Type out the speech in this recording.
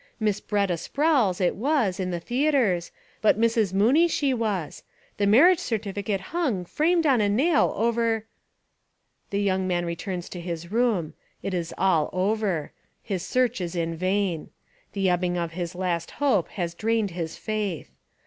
Miss B'retta Sprowls, it was, In the theatres, but Missis Mooney she was. The marriage certificate hung, framed, on a nail over "... The young man returns to his room. It Is all over. His search Is vain. The ebbing of his last hope has drained his faith.